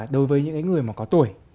đối với những người mà có tuổi